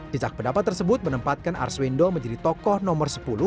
jejak pendapat tersebut menempatkan arswendo menjadi tokoh nomor sepuluh